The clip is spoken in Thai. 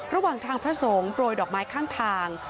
ระหว่างทางพระสงฆ์โปรยดอกไม้ข้างทาง